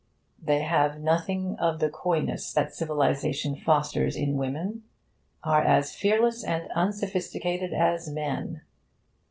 They have nothing of the coyness that civilisation fosters in women, are as fearless and unsophisticated as men.